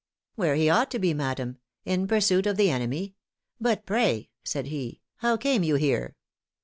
"'Where he ought to be, madam; in pursuit of the enemy. But pray,' said he, 'how came you here?